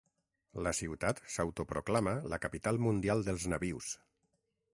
La ciutat s'autoproclama la "Capital mundial dels nabius."